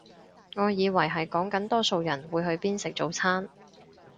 我以為係講緊多數人會去邊食早餐